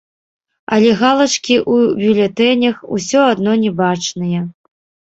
Але галачкі ў бюлетэнях усё адно не бачныя.